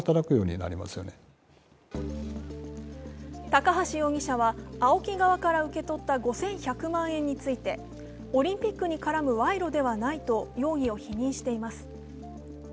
高橋容疑者はＡＯＫＩ側から受け取った５１００万円についてオリンピックに絡む賄賂ではないと容疑を否認しています。